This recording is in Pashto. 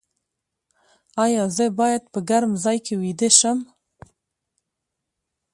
ایا زه باید په ګرم ځای کې ویده شم؟